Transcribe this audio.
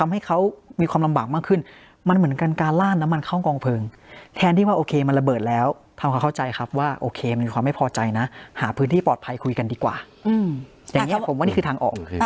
หาพื้นที่ปลอดภัยคุยกันดีกว่าอย่างนี้ผมว่านี่คือทางออก